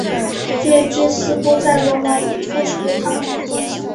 这支似乎在罗马有一个属于他们的中心。